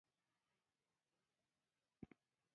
فلم د انصاف غږ دی